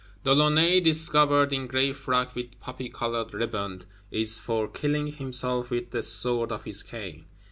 De Launay, "discovered in gray frock with poppy colored riband," is for killing himself with the sword of his cane.